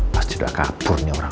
pasti sudah kabur nih orang